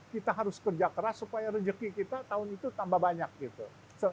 kita harus kerja keras supaya rezeki kita tahun itu tambah banyak gitu